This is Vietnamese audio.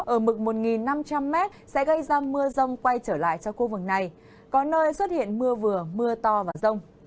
ở mực một năm trăm linh m sẽ gây ra mưa rông quay trở lại cho khu vực này có nơi xuất hiện mưa vừa mưa to và rông